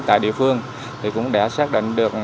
thì cũng đã xác định được